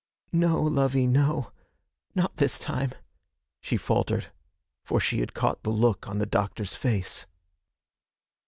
'No, lovey, no not this time,' she faltered, for she had caught the look on the doctor's face.